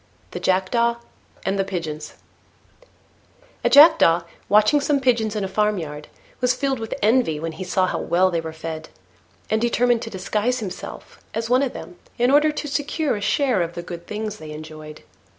THE JACKDAW AND THE PIGEONS A Jackdaw, watching some Pigeons in a farmyard, was filled with envy when he saw how well they were fed, and determined to disguise himself as one of them, in order to secure a share of the good things they enjoyed.